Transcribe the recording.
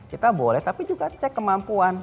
kita boleh tapi juga cek kemampuan